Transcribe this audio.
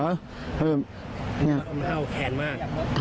เออนี่ใช่ครับ